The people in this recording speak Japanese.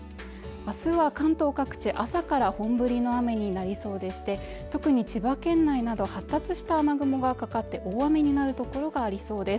あすは関東各地朝から本降りの雨になりそうでして特に千葉県内など発達した雨雲がかかって大雨になる所がありそうです